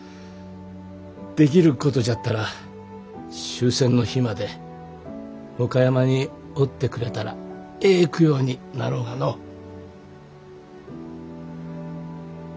できることじゃったら終戦の日まで岡山におってくれたらええ供養になろうがのお。